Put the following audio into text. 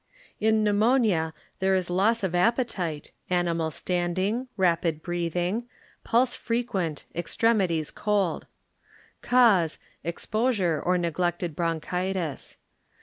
In Pneumonia there is loss of appe tite, animal standing, rapid breathing, pulse frequent, extremities cold. Cause, exposure or neglected bronchitis.